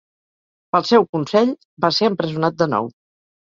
Pel seu consell, va ser empresonat de nou.